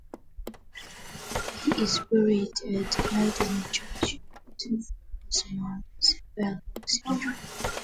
He is buried at Malden Church Yard, also known as Bell Rock Cemetery.